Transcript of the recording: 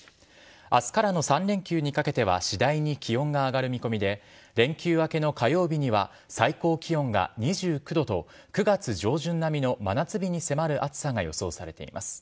明日からの３連休にかけては次第に気温が上がる見込みで連休明けの火曜日には最高気温が２９度と９月上旬並みの真夏日に迫る暑さが予想されています。